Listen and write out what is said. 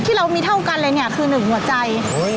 ที่เรามีเท่ากันเลยคือหนึ่งหัวใจ